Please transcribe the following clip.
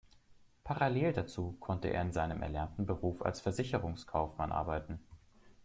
Parallel dazu konnte er in seinem erlernten Beruf als Versicherungskaufmann arbeiten.